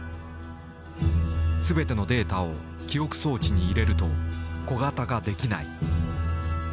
すべてのデータを記憶装置に入れると小型化できない。